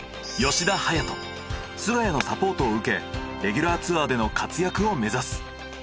菅谷のサポートを受けレギュラーツアーでの活躍を目指す。